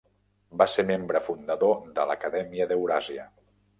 Va ser membre fundador de l'Acadèmia d'Euràsia.